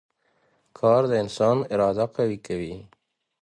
کار د انسان اراده قوي کوي